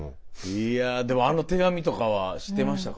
いやでもあの手紙とかは知ってましたか？